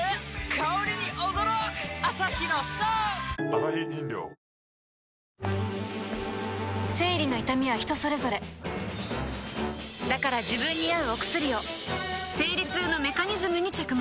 香りに驚くアサヒの「颯」生理の痛みは人それぞれだから自分に合うお薬を生理痛のメカニズムに着目